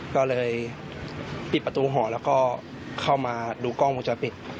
ก็เลยปิดประตูห่อแล้วก็เข้ามาดูกล้องวงจรปิด